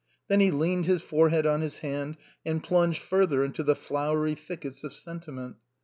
Then he leaned his forehead on his hand and plunged further into the flowery thickets of sentiment.